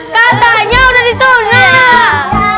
katanya udah disunat